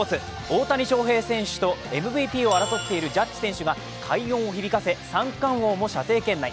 大谷翔平選手とＭＶＰを争っているジャッジ選手が快音を響かせ、三冠王も射程圏内。